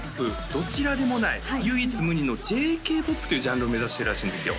どちらでもない唯一無二のＪＫ−ＰＯＰというジャンルを目指してるらしいんですよ